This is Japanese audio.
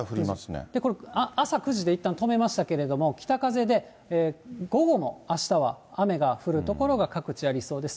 朝９時でいったん止めましたけれども、北風で、午後もあしたは雨が降る所が各地ありそうです。